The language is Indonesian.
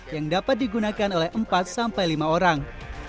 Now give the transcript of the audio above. yang dapat digunakan oleh empat sampai lima orang